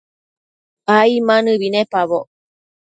ai ma nëbi icpaboc